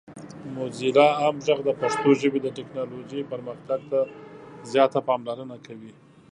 موزیلا عام غږ د پښتو ژبې د ټیکنالوجۍ پرمختګ ته زیاته پاملرنه کوي.